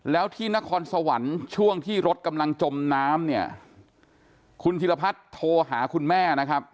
แล้วที่นครสวรรค์ช่วงที่รถกำลังจมน้ำเนี่ยคุณธิรพัฒน์โทรหาคุณแม่นะครับ